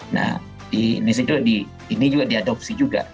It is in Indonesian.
nah di indonesia juga diadopsi juga